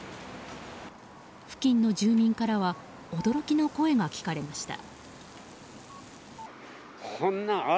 付近の住民からは驚きの声が聞かれました。